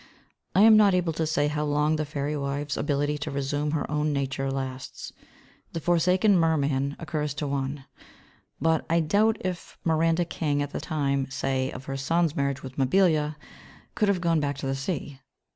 I am not able to say how long the fairy wife's ability to resume her own nature lasts. The Forsaken Merman occurs to one; but I doubt if Miranda King, at the time, say, of her son's marriage with Mabilla, could have gone back to the sea.